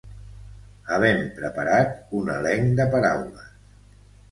havem preparat un elenc de paraules